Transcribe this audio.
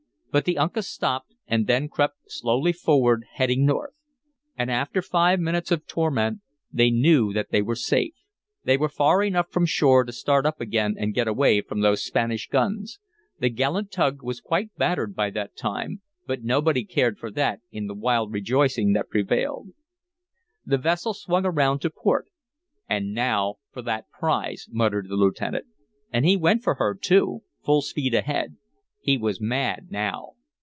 But the Uncas stopped and then crept slowly forward, heading north. And after five minutes of torment they knew that they were safe. They were far enough from shore to start up again and get away from those Spanish guns. The gallant tug was quite battered by that time, but nobody cared for that in the wild rejoicing that prevailed. The vessel swung around to port. "And now for that prize!" muttered the lieutenant. And he went for her, too, full speed ahead. He was mad now.